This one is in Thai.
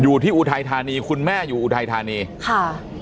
อุทัยธานีคุณแม่อยู่อุทัยธานีค่ะ